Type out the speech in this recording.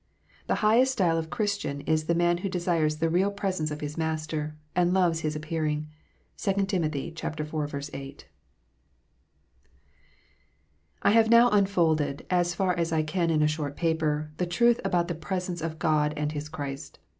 The highest style of Christian is the man who desires the real presence of his Master, and " loves His appearing." (2 Tim. iv. 8.) I have now unfolded, as far as I can in a short paper, the truth about the presence of God and His Christ.